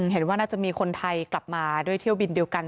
เห็นว่าน่าจะมีคนไทยกลับมาด้วยเที่ยวบินเดียวกัน